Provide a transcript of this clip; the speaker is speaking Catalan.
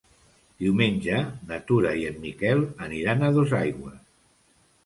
Diumenge na Tura i en Miquel aniran a Dosaigües.